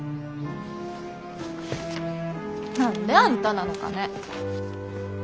何であんたなのかね。